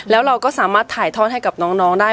แล้วเราก็สามารถถ่ายทอดให้กับน้องได้